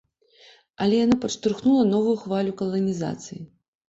Але яно падштурхнула новую хвалю каланізацыі.